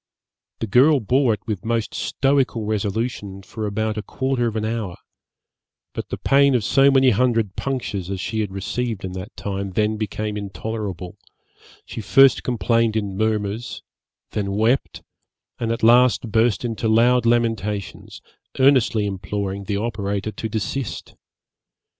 The girl bore it with most stoical resolution for about a quarter of an hour; but the pain of so many hundred punctures as she had received in that time then became intolerable: she first complained in murmurs, then wept, and at last burst into loud lamentations, earnestly imploring the operator to desist.